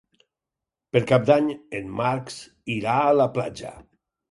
Per Cap d'Any en Max irà a la platja.